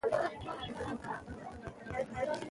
پر دغو سیمو باندې ایښی،